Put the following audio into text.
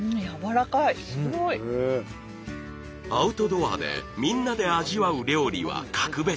アウトドアでみんなで味わう料理は格別。